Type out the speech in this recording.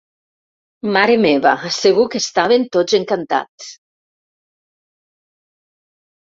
Mare meva, segur que estaven tots encantats!